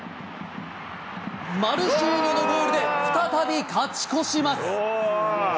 マルシーニョのゴールで再び勝ち越します。